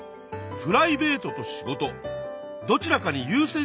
プライベートと仕事どちらかにゆう先